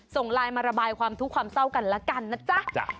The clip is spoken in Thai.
ส่งไลน์มาระบายความทุกข์ความเศร้ากันแล้วกันนะจ๊ะ